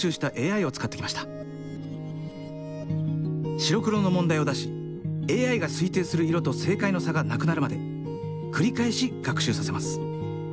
白黒の問題を出しＡＩが推定する色と正解の差がなくなるまで繰り返し学習させます。